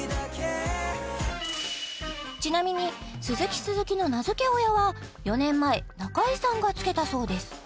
ちなみに鈴木鈴木の名付け親は４年前中居さんがつけたそうです